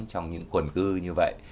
trong những quần cư như vậy